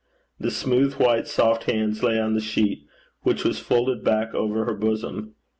The smooth, white, soft hands lay on the sheet, which was folded back over her bosom.